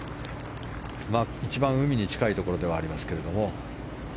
一番海に近いところではありますけれども。